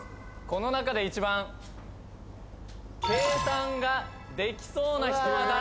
この中で１番計算ができそうな人は誰？